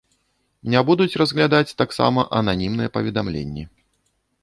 Не будуць разглядаць таксама ананімныя паведамленні.